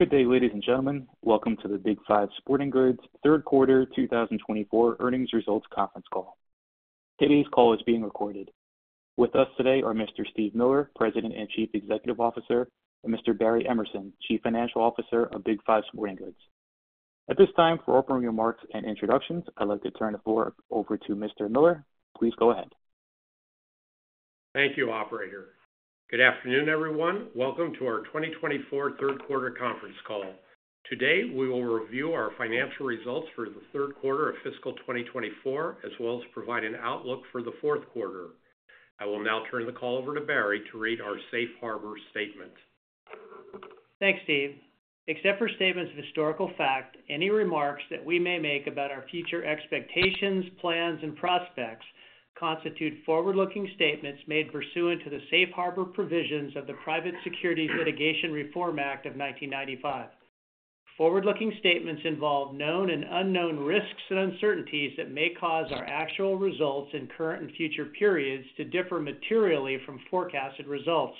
Good day, ladies and gentlemen. Welcome to the Big 5 Sporting Goods Third Quarter 2024 Earnings Results Conference Call. Today's call is being recorded. With us today are Mr. Steve Miller, President and Chief Executive Officer, and Mr. Barry Emerson, Chief Financial Officer of Big 5 Sporting Goods. At this time, for opening remarks and introductions, I'd like to turn the floor over to Mr. Miller. Please go ahead. Thank you, Operator. Good afternoon, everyone. Welcome to our 2024 third quarter conference call. Today, we will review our financial results for the third quarter of fiscal 2024, as well as provide an outlook for the fourth quarter. I will now turn the call over to Barry to read our Safe Harbor Statement. Thanks, Steve. Except for statements of historical fact, any remarks that we may make about our future expectations, plans, and prospects constitute forward-looking statements made pursuant to the Safe Harbor Provisions of the Private Securities Litigation Reform Act of 1995. Forward-looking statements involve known and unknown risks and uncertainties that may cause our actual results in current and future periods to differ materially from forecasted results.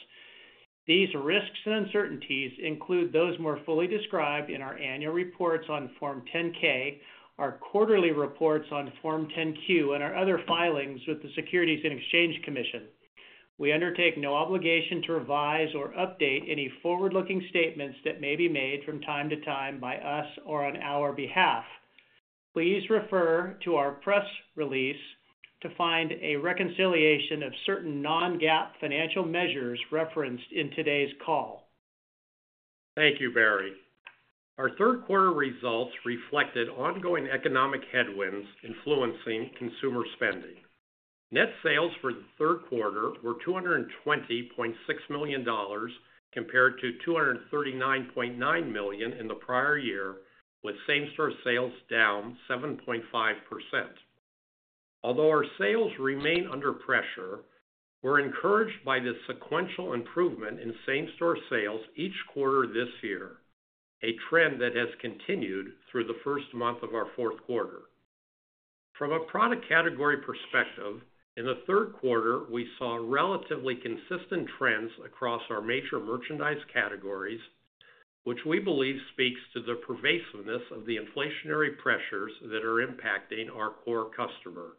These risks and uncertainties include those more fully described in our annual reports on Form 10-K, our quarterly reports on Form 10-Q, and our other filings with the Securities and Exchange Commission. We undertake no obligation to revise or update any forward-looking statements that may be made from time to time by us or on our behalf. Please refer to our press release to find a reconciliation of certain non-GAAP financial measures referenced in today's call. Thank you, Barry. Our third quarter results reflected ongoing economic headwinds influencing consumer spending. Net sales for the third quarter were $220.6 million compared to $239.9 million in the prior year, with same-store sales down 7.5%. Although our sales remain under pressure, we're encouraged by the sequential improvement in same-store sales each quarter this year, a trend that has continued through the first month of our fourth quarter. From a product category perspective, in the third quarter, we saw relatively consistent trends across our major merchandise categories, which we believe speaks to the pervasiveness of the inflationary pressures that are impacting our core customer.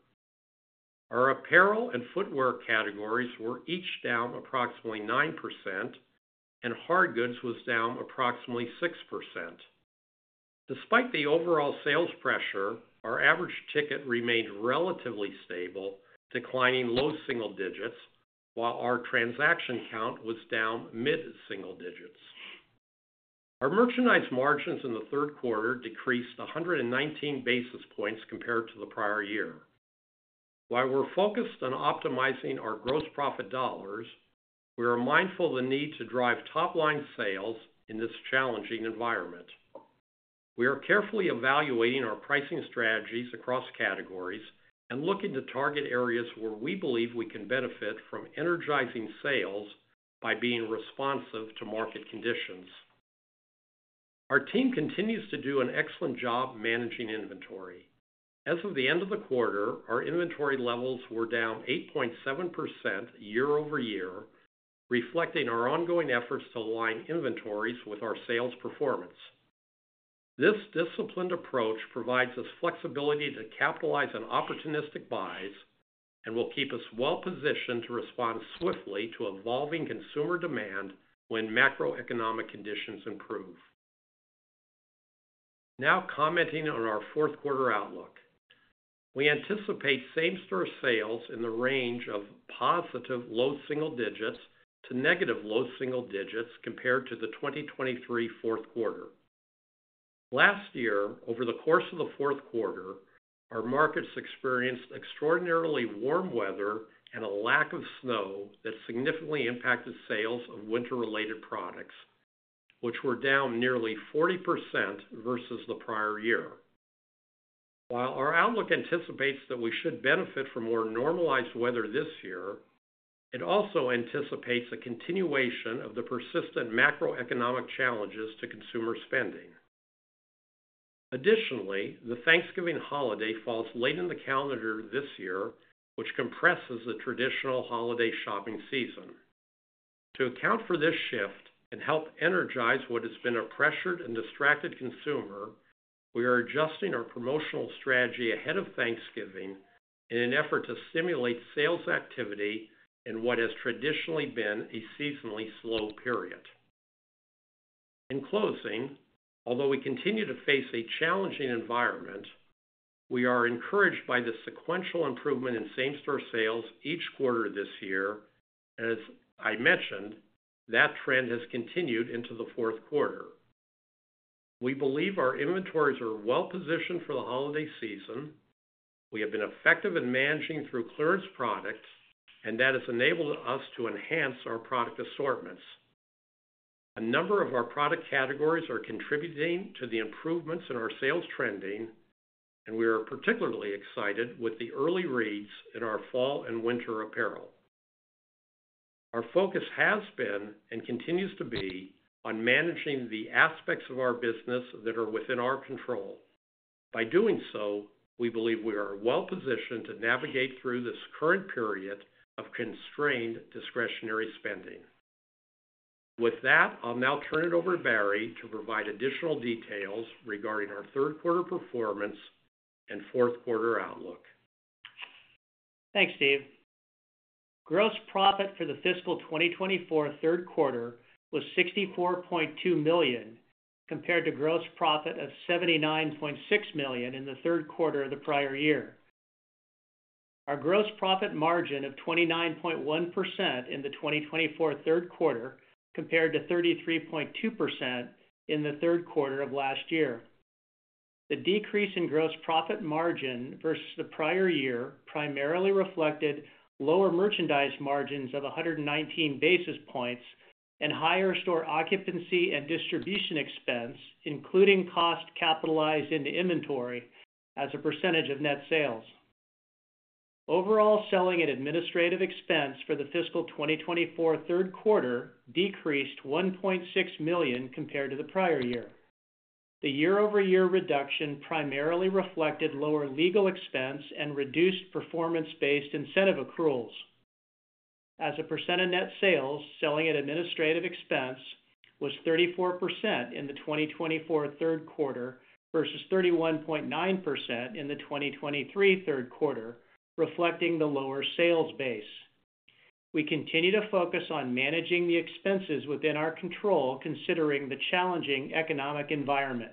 Our apparel and footwear categories were each down approximately 9%, and hard goods was down approximately 6%. Despite the overall sales pressure, our average ticket remained relatively stable, declining low single digits, while our transaction count was down mid-single digits. Our merchandise margins in the third quarter decreased 119 basis points compared to the prior year. While we're focused on optimizing our gross profit dollars, we are mindful of the need to drive top-line sales in this challenging environment. We are carefully evaluating our pricing strategies across categories and looking to target areas where we believe we can benefit from energizing sales by being responsive to market conditions. Our team continues to do an excellent job managing inventory. As of the end of the quarter, our inventory levels were down 8.7% year-over-year, reflecting our ongoing efforts to align inventories with our sales performance. This disciplined approach provides us flexibility to capitalize on opportunistic buys and will keep us well-positioned to respond swiftly to evolving consumer demand when macroeconomic conditions improve. Now commenting on our fourth quarter outlook, we anticipate same-store sales in the range of positive low single digits to negative low single digits compared to the 2023 fourth quarter. Last year, over the course of the fourth quarter, our markets experienced extraordinarily warm weather and a lack of snow that significantly impacted sales of winter-related products, which were down nearly 40% versus the prior year. While our outlook anticipates that we should benefit from more normalized weather this year, it also anticipates a continuation of the persistent macroeconomic challenges to consumer spending. Additionally, the Thanksgiving holiday falls late in the calendar this year, which compresses the traditional holiday shopping season. To account for this shift and help energize what has been a pressured and distracted consumer, we are adjusting our promotional strategy ahead of Thanksgiving in an effort to stimulate sales activity in what has traditionally been a seasonally slow period. In closing, although we continue to face a challenging environment, we are encouraged by the sequential improvement in same-store sales each quarter this year, and as I mentioned, that trend has continued into the fourth quarter. We believe our inventories are well-positioned for the holiday season. We have been effective in managing through clearance products, and that has enabled us to enhance our product assortments. A number of our product categories are contributing to the improvements in our sales trending, and we are particularly excited with the early reads in our fall and winter apparel. Our focus has been and continues to be on managing the aspects of our business that are within our control. By doing so, we believe we are well-positioned to navigate through this current period of constrained discretionary spending. With that, I'll now turn it over to Barry to provide additional details regarding our third quarter performance and fourth quarter outlook. Thanks, Steve. Gross profit for the fiscal 2024 third quarter was $64.2 million compared to gross profit of $79.6 million in the third quarter of the prior year. Our gross profit margin of 29.1% in the 2024 third quarter compared to 33.2% in the third quarter of last year. The decrease in gross profit margin versus the prior year primarily reflected lower merchandise margins of 119 basis points and higher store occupancy and distribution expense, including cost capitalized into inventory as a percentage of net sales. Overall selling and administrative expense for the fiscal 2024 third quarter decreased $1.6 million compared to the prior year. The year-over-year reduction primarily reflected lower legal expense and reduced performance-based incentive accruals. As a percent of net sales, selling and administrative expense was 34% in the 2024 third quarter versus 31.9% in the 2023 third quarter, reflecting the lower sales base. We continue to focus on managing the expenses within our control, considering the challenging economic environment.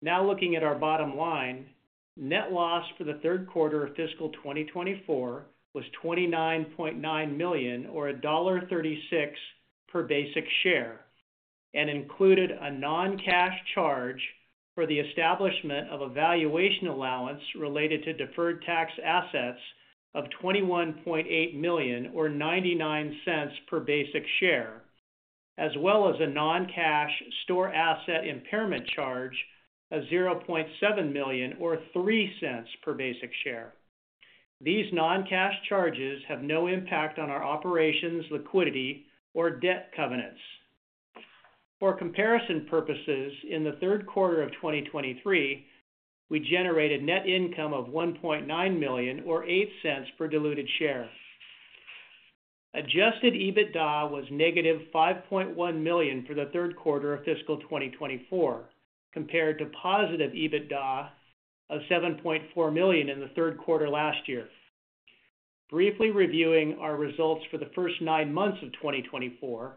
Now looking at our bottom line, net loss for the third quarter of fiscal 2024 was $29.9 million, or $1.36 per basic share, and included a non-cash charge for the establishment of a valuation allowance related to deferred tax assets of $21.8 million, or $0.99 per basic share, as well as a non-cash store asset impairment charge of $0.7 million, or $0.03 per basic share. These non-cash charges have no impact on our operations, liquidity, or debt covenants. For comparison purposes, in the third quarter of 2023, we generated net income of $1.9 million, or $0.08 per diluted share. Adjusted EBITDA was negative $5.1 million for the third quarter of fiscal 2024, compared to positive EBITDA of $7.4 million in the third quarter last year. Briefly reviewing our results for the first nine months of 2024,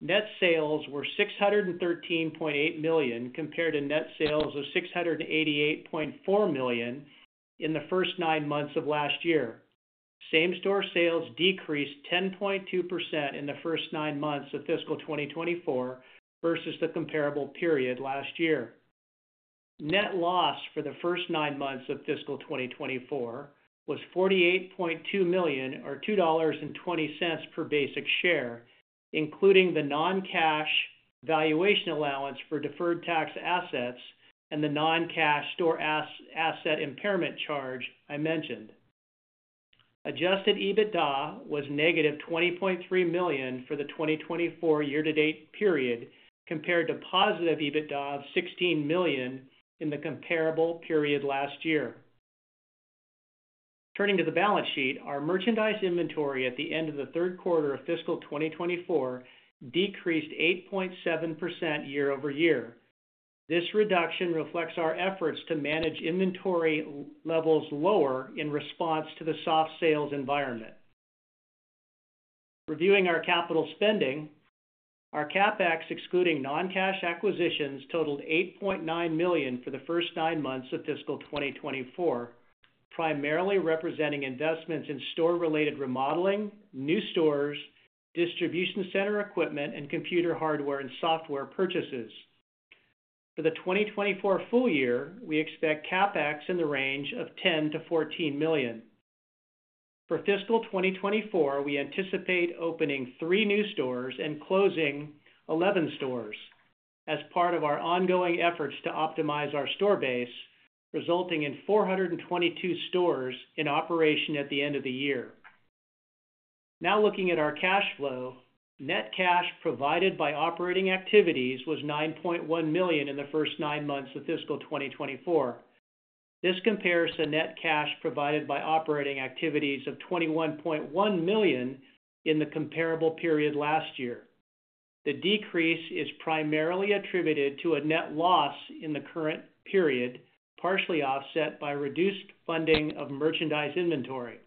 net sales were $613.8 million compared to net sales of $688.4 million in the first nine months of last year. Same-store sales decreased 10.2% in the first nine months of fiscal 2024 versus the comparable period last year. Net loss for the first nine months of fiscal 2024 was $48.2 million, or $2.20 per basic share, including the non-cash valuation allowance for deferred tax assets and the non-cash store asset impairment charge I mentioned. Adjusted EBITDA was negative $20.3 million for the 2024 year-to-date period compared to positive EBITDA of $16 million in the comparable period last year. Turning to the balance sheet, our merchandise inventory at the end of the third quarter of fiscal 2024 decreased 8.7% year-over-year. This reduction reflects our efforts to manage inventory levels lower in response to the soft sales environment. Reviewing our capital spending, our CapEx excluding non-cash acquisitions totaled $8.9 million for the first nine months of fiscal 2024, primarily representing investments in store-related remodeling, new stores, distribution center equipment, and computer hardware and software purchases. For the 2024 full year, we expect CapEx in the range of $10 to $14 million. For fiscal 2024, we anticipate opening three new stores and closing 11 stores as part of our ongoing efforts to optimize our store base, resulting in 422 stores in operation at the end of the year. Now looking at our cash flow, net cash provided by operating activities was $9.1 million in the first nine months of fiscal 2024. This compares to net cash provided by operating activities of $21.1 million in the comparable period last year. The decrease is primarily attributed to a net loss in the current period, partially offset by reduced funding of merchandise inventory.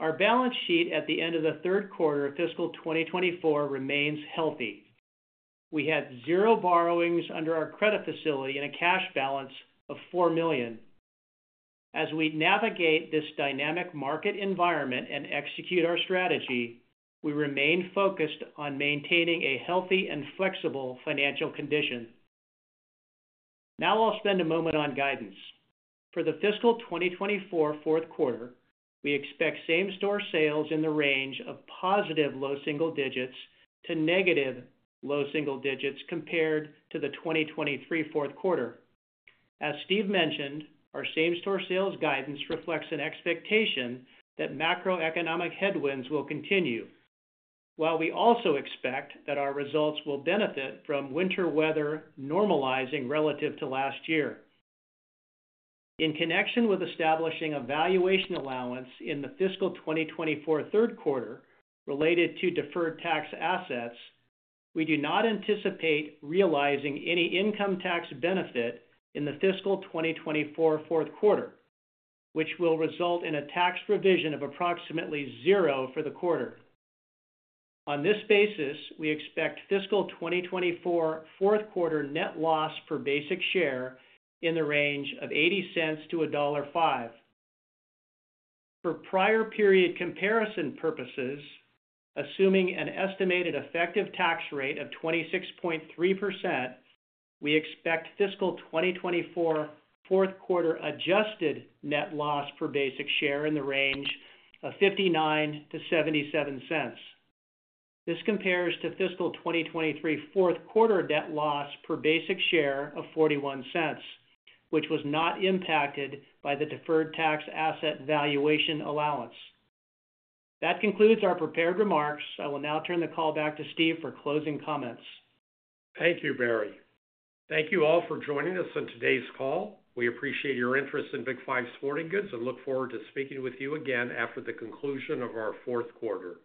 Our balance sheet at the end of the third quarter of fiscal 2024 remains healthy. We had zero borrowings under our credit facility and a cash balance of $4 million. As we navigate this dynamic market environment and execute our strategy, we remain focused on maintaining a healthy and flexible financial condition. Now I'll spend a moment on guidance. For the fiscal 2024 fourth quarter, we expect same-store sales in the range of positive low single digits to negative low single digits compared to the 2023 fourth quarter. As Steve mentioned, our same-store sales guidance reflects an expectation that macroeconomic headwinds will continue, while we also expect that our results will benefit from winter weather normalizing relative to last year. In connection with establishing a valuation allowance in the fiscal 2024 third quarter related to deferred tax assets, we do not anticipate realizing any income tax benefit in the fiscal 2024 fourth quarter, which will result in a tax provision of approximately zero for the quarter. On this basis, we expect fiscal 2024 fourth quarter net loss per basic share in the range of $0.80 to $1.05. For prior period comparison purposes, assuming an estimated effective tax rate of 26.3%, we expect fiscal 2024 fourth quarter adjusted net loss per basic share in the range of $0.59 to $0.77. This compares to fiscal 2023 fourth quarter net loss per basic share of $0.41, which was not impacted by the deferred tax asset valuation allowance. That concludes our prepared remarks. I will now turn the call back to Steve for closing comments. Thank you, Barry. Thank you all for joining us on today's call. We appreciate your interest in Big 5 Sporting Goods and look forward to speaking with you again after the conclusion of our fourth quarter.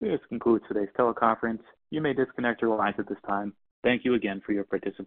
This concludes today's teleconference. You may disconnect your lines at this time. Thank you again for your participation.